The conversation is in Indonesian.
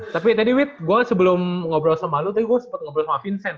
tapi tadi witt gue sebelum ngobrol sama lu tadi gue sempet ngobrol sama vincent